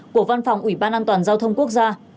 của văn phòng ủy ban an toàn giao thông quốc gia